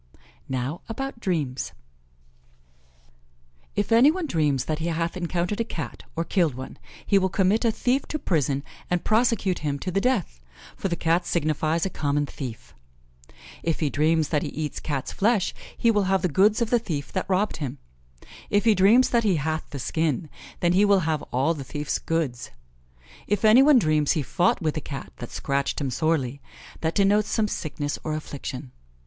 Now about dreams: If any one dreams that he hath encountered a Cat, or killed one, he will commit a thief to prison and prosecute him to the death, for the Cat signifies a common thief. If he dreams that he eats Cat's flesh, he will have the goods of the thief that robbed him; if he dreams that he hath the skin, then he will have all the thief's goods. If any one dreams he fought with a Cat that scratched him sorely, that denotes some sickness or affliction.